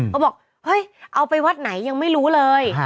เขาบอกเฮ้ยเอาไปวัดไหนยังไม่รู้เลย